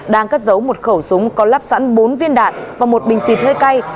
đang cất giấu một khẩu súng có lắp sẵn bốn viên đạn và một bình xịt hơi cay